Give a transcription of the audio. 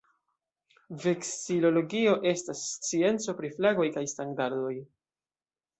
Veksilologio estas scienco pri flagoj kaj standardoj.